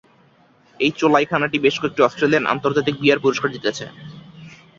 এই চোলাইখানাটি বেশ কয়েকটি অস্ট্রেলিয়ান আন্তর্জাতিক বিয়ার পুরস্কার জিতেছে।